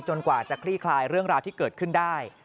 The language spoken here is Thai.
กว่าจะคลี่คลายเรื่องราวที่เกิดขึ้นได้